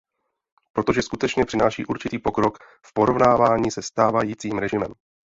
Protože skutečně přináší určitý pokrok v porovnání se stávajícím režimem.